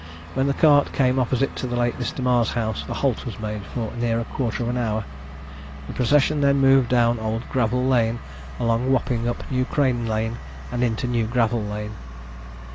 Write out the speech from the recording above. When the cart came opposite to the late Mr. Marr's house, a halt was made for near a quarter of an hour. The procession then moved down Old Gravel lane, along Wapping, up New Crane lane, and into New Gravel lane.